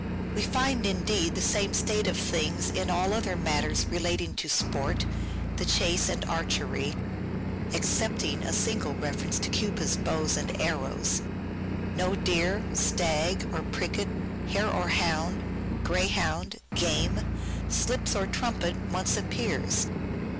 We find indeed the same state of things in all other matters relating to sport, the chase and archery (excepting a single reference to Cupid's bow and arrows). No deer, stag or pricket, hare or hound, greyhound, game, slips or trumpet, once appears.